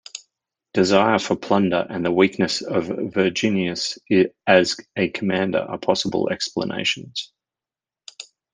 Desire for plunder and the weakness of Verginius as a commander are possible explanations.